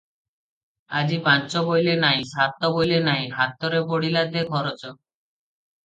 ଆଜି ପାଞ୍ଚ ବୋଇଲେ ନାହିଁ, ସାତ ବୋଇଲେ ନାହିଁ, ହାତରେ ପଡିଲା ଦେ ଖରଚ ।